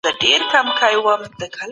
زکات د مسلمانانو دنده ده.